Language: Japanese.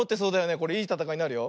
これいいたたかいになるよ。